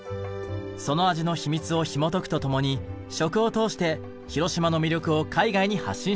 その味の秘密をひもとくと共に食を通して広島の魅力を海外に発信しました。